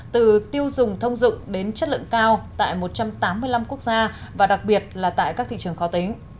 từ tiêu dùng thông dụng đến chất lượng cao tại một trăm tám mươi năm quốc gia và đặc biệt là tại các thị trường khó tính